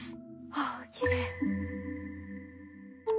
あっきれい。